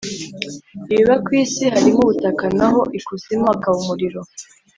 ibiba ku isi harimo ubutaka naho ikuzimu hakaba umuriro